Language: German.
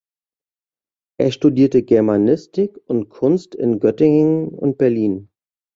Er studierte Germanistik und Kunst in Göttingen und Berlin.